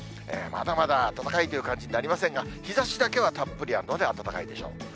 まだまだ暖かいという感じになりませんが、日ざしだけはたっぷりあるので暖かいでしょう。